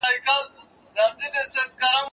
زه پرون د کتابتون کتابونه ولوستل!.